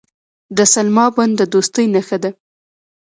د سلما بند د دوستۍ نښه ده.